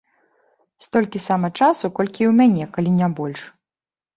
Столькі сама часу, колькі і ў мяне, калі не больш.